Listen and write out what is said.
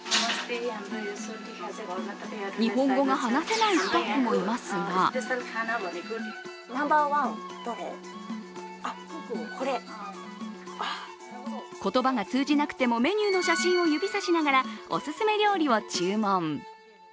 日本語が話せないスタッフもいますが言葉が通じなくてもメニューの写真を指さしながらオススメ料理を注文。